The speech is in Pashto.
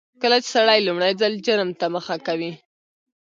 کله چې سړی لومړي ځل جرم ته مخه کوي.